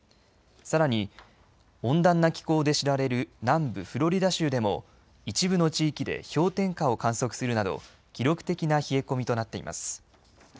さらに、温暖な気候で知られる南部フロリダ州でも一部の地域で氷点下を観測するなど記録的な冷え込みとなっています。